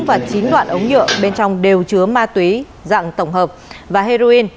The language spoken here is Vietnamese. và chín đoạn ống nhựa bên trong đều chứa ma túy dạng tổng hợp và heroin